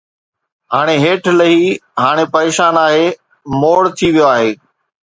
ھاڻي ھيٺ لھي، ھاڻي پريشان آھي، موڙ ٿي ويو آھي